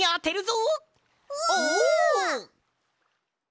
お！